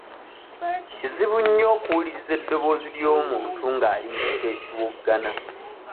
Kizibu nnyo okuwuliriza eddoboozi ly'omuntu nga ali mu kifo ekiwoggana.